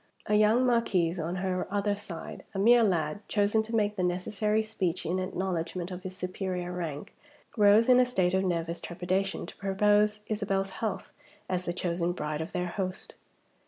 A young marquis, on her other side a mere lad, chosen to make the necessary speech in acknowledgment of his superior rank rose, in a state of nervous trepidation, to propose Isabel's health as the chosen bride of their host.